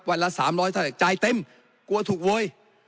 ละ๓๐๐เท่าไหร่จ่ายเต็มกลัวถูกโวย